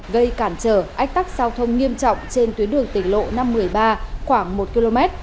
gây cản trở ách tắc giao thông nghiêm trọng trên tuyến đường tỉnh lộ năm mươi ba khoảng một km